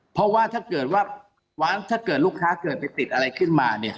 เพราะว่าถ้าเกิดว่าถ้าเกิดลูกค้าเกิดไปติดอะไรขึ้นมาเนี่ย